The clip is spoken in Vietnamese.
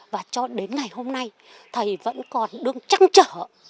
và cho đến ngày hôm nay thầy vẫn còn đương chăn trở